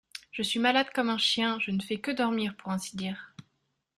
Je suis malade comme un chien, je ne fais que dormir pour ainsi dire.